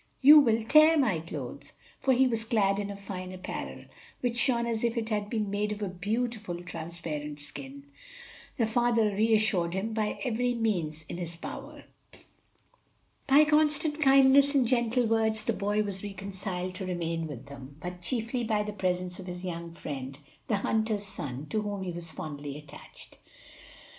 "You will tear my clothes!" For he was clad in a fine apparel, which shone as if it had been made of a beautiful transparent skin. The father reassured him by every means in his power. By constant kindness and gentle words the boy was reconciled to remain with them; but chiefly by the presence of his young friend, the hunter's son, to whom he was fondly attached.